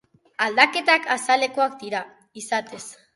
Aldaketak azalekoak dira, izatez.